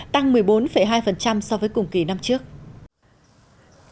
tăng một mươi bốn hai so với cùng kỳ năm trước